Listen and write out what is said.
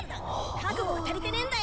覚悟が足りてねーんだよ！